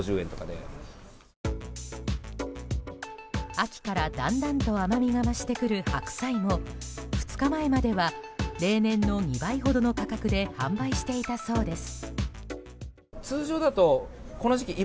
秋から、だんだんと甘みが増してくる白菜も２日前までは例年の２倍ほどの価格で販売していたそうです。